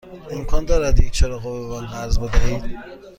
امکان دارد یک چراغ قوه به من قرض بدهید؟